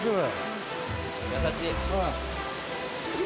優しい。